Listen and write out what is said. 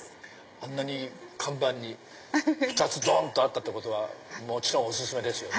あんなに看板に２つドン！とあったってことはもちろんお薦めですよね。